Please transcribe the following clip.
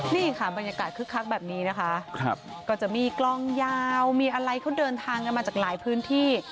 นี่ค่ะบรรยากาศคึกคักแบบนี้นะคะก็จะมีกล้องยาวมีอะไรเขาเดินทางกันมาจากหลายพื้นที่